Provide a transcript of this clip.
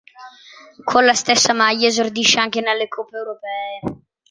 Con la stessa maglia esordisce anche nelle coppe europee.